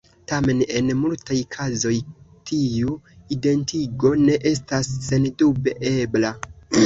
Tamen en multaj kazoj tiu identigo ne estas sendube ebla.